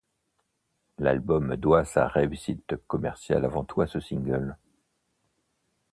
L'album doit sa réussite commerciale avant tout à ce single.